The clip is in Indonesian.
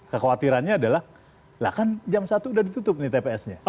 kekhawatirannya adalah lah kan jam satu udah ditutup nih tps nya